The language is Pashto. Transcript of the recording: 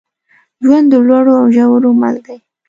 ژوند د لوړو او ژورو مل دی.